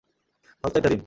ফালতু একটা দিন!